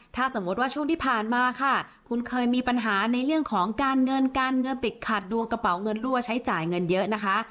ถ้าสมมุติว่าช่วงที่ผ่านมาค่ะคุณเคยมีปัญหาในเรื่องของการเงินการเงินติดขัดดวงกระเป๋าเงินรั่วใช้จ่ายเงินเยอะนะคะ